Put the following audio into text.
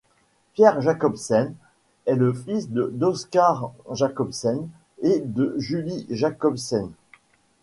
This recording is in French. Pierre Jacobsen est le fils d’Oskar Jacobsen et de Julie Jacobsen.